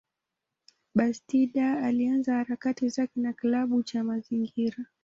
Bastida alianza harakati zake na kilabu cha mazingira.